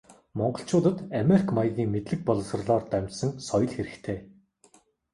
Монголчуудад америк маягийн мэдлэг боловсролоор дамжсан соёл хэрэгтэй.